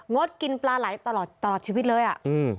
งดกินปลาไหล่ตลอดชีวิตเลยอะ